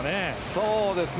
そうですね。